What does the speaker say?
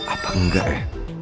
apa enggak ya